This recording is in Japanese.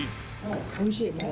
おいしいね。